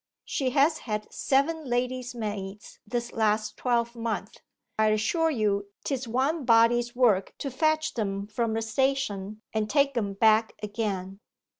She has had seven lady's maids this last twelvemonth. I assure you 'tis one body's work to fetch 'em from the station and take 'em back again.